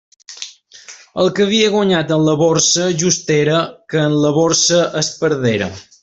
El que havia guanyat en la Borsa just era que en la Borsa es perdera.